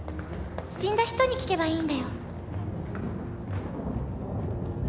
死んだ人に聞けばいいんだよ